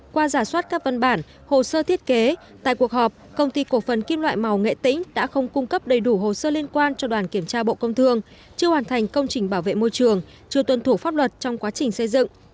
qua giả soát các văn bản hồ sơ thiết kế tại cuộc họp công ty cổ phần kim loại màu nghệ tĩnh đã không cung cấp đầy đủ hồ sơ liên quan cho đoàn kiểm tra bộ công thương chưa hoàn thành công trình bảo vệ môi trường chưa tuân thủ pháp luật trong quá trình xây dựng